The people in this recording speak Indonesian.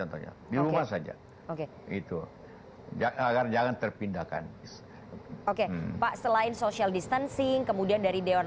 contohnya di rumah saja oke itu jangan terpindahkan oke pak selain social distancing kemudian dari dewan